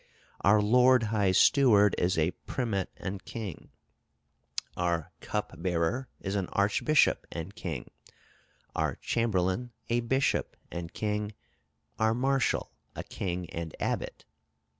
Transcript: Our lord high steward is a primate and king, our cup bearer is an archbishop and king, our chamberlain a bishop and king, our marshal a king and abbot."